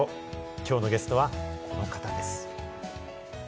今日のゲストはこの方です。